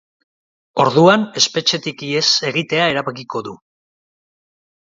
Orduan, espetxetik ihes egitea erabakiko du.